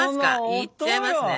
いっちゃいますね。